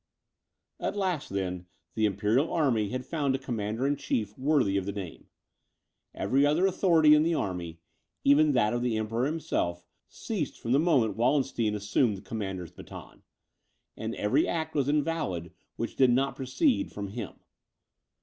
At last, then, the imperial army had found a commander in chief worthy of the name. Every other authority in the army, even that of the Emperor himself, ceased from the moment Wallenstein assumed the commander's baton, and every act was invalid which did not proceed from him.